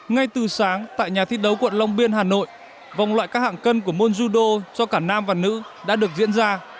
ngay từ sáng tại nhà thi đấu quận long biên hà nội vòng loại các hạng cân của môn judo cho cả nam và nữ đã được diễn ra